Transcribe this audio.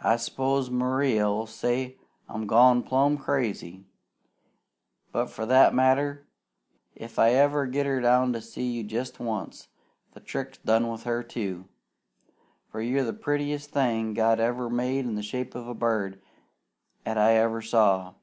I s'pose Maria 'ull say 'at I'm gone plumb crazy; but, for that matter, if I ever get her down to see you jest once, the trick's done with her, too, for you're the prettiest thing God ever made in the shape of a bird, 'at I ever saw.